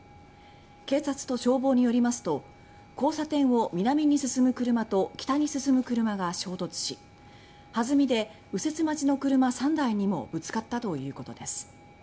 警察と消防によりますと交差点を南に進む車と北に進む車が衝突しはずみで、右折待ちの車３台にもぶつかったということです。